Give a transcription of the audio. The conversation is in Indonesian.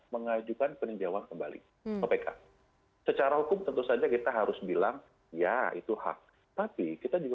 mengajukan peninjauan kembali ke pk secara hukum tentu saja kita harus bilang ya itu hak tapi kita juga